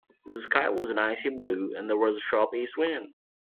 The sky was an icy blue, and there was a sharp East wind